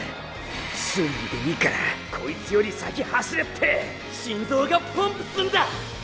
数ミリでいいからこいつより先走れって心臓がポンプすんだ！